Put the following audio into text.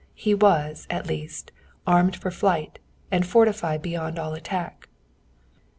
He was, at least, armed for flight, and fortified beyond all attack.